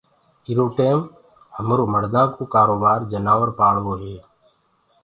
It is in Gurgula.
ايرو ٽيم همرو مڙدآ ڪو ڪآروبآر جنآور پآݪوو هي